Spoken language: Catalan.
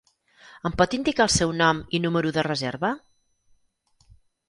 Em pot indicar el seu nom i número de reserva?